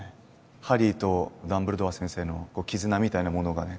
ハリーとダンブルドア先生の絆みたいなものがね